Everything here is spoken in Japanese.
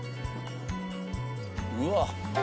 「うわっ」